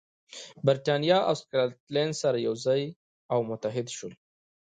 برېټانیا او سکاټلند سره یو ځای او متحد شول.